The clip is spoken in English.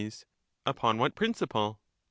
Soc. Upon what principle ?